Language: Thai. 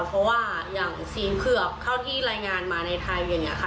เพราะว่าอย่างสีเผือกเท่าที่รายงานมาในไทยอย่างนี้ค่ะ